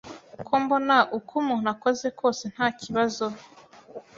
ko mbona uko umuntu akoze kose nta kibazo?